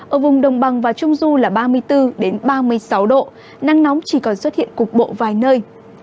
ở vùng đồng bằng và trung du là ba mươi bốn ba mươi sáu độ nắng nóng chỉ còn xuất hiện cục bộ vài nơi